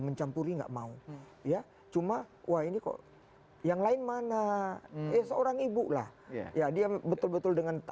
mencampuri enggak mau ya cuma wah ini kok yang lain mana seorang ibu lah ya dia betul betul dengan